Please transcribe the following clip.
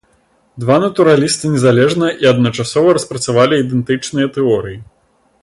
Два натураліста незалежна і адначасова распрацавалі ідэнтычныя тэорыі.